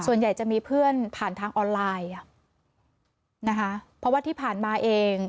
ส่วนใหญ่จะมีเพื่อนผ่านทางออนไลน์อ่ะนะคะเพราะว่าที่ผ่านมาเอง